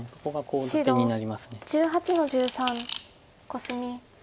白１８の十三コスミ。